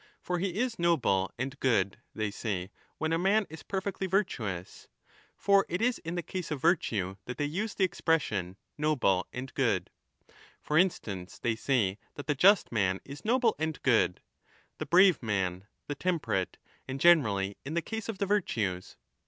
For ' he is noble and good ', they say, when a man is perfectly virtuous. For it is in the case of virtue that they use the expression '' noble and good '; for instance, 25 they say that the just man is noble and good, the brave man, the temperate, and generally in the case of the virtues.